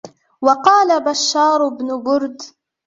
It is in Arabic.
وَقَالَ بَشَّارُ بْنُ بُرْدٍ